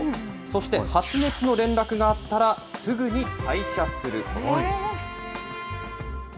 そして、発熱の連絡があったらすぐに退社すること。